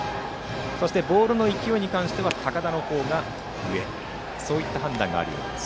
そしてボールの勢いに関しては高田の方が上そういった判断があるようです。